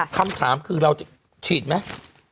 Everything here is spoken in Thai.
คำถามคือเราจะฉีดไหม